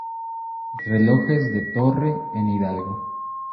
Relojes de torre en Hidalgo